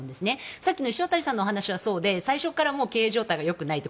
さっきの石渡さんの話はそうで最初から経営状態がよくないと。